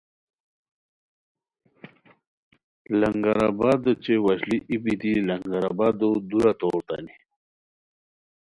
لنگرآباد اوچے وشلی ای بیتی لنگرآبادو دُورہ تورتانی